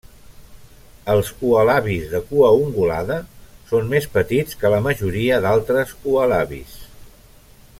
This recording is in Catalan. Els ualabis de cua ungulada són més petits que la majoria d'altres ualabis.